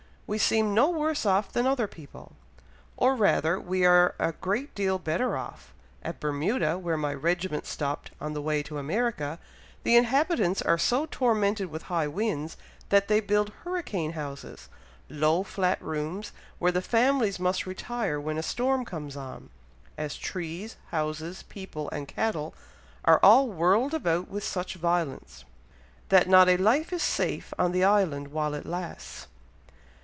"We seem no worse off than other people." "Or rather we are a great deal better off! At Bermuda, where my regiment stopped on the way to America, the inhabitants are so tormented with high winds, that they build 'hurricane houses' low, flat rooms, where the families must retire when a storm comes on, as trees, houses, people, and cattle, are all whirled about with such violence, that not a life is safe on the island while it lasts."